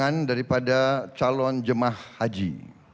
keuangan daripada calon jemah haji